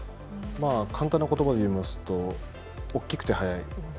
簡単な言葉で言いますと大きくて速い。